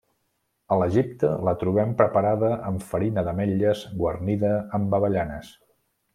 A l'Egipte, la trobem preparada amb farina d'ametlles guarnida amb avellanes.